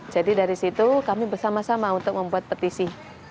jadi dari situ kami bersama sama untuk membuat petisi